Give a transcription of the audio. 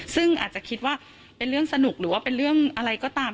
ซึ่งอาจจะคิดว่าเป็นเรื่องสนุกหรือว่าเป็นเรื่องอะไรก็ตาม